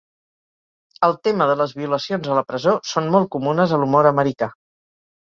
El tema de les violacions a la presó són molt comunes a l'humor americà.